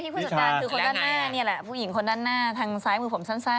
ฟุรีหญิงของด้านหน้ารถทางซ้ายมือผมสั้นนี่